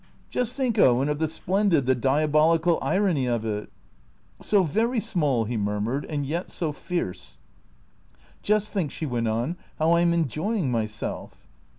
Just think, Owen, of the splendid, the diabolical irony of it !"" So very small," he murmured, " and yet so fierce." " Just think," she went on, " how I 'm enjoying myself."